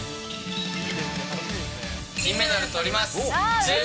金メダルとります。